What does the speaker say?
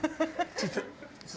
ちょっと。